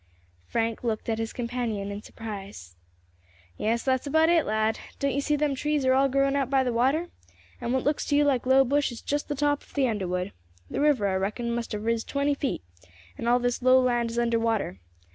Frank looked at his companion in surprise. "Yes, that is about it, lad. Don't you see them trees are all growing out by the water, and what looks to you like low bush is just the top of the underwood. The river, I reckon, must have riz twenty feet, and all this low land is under water.